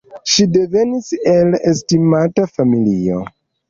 Ŝi devenis el estimata familio.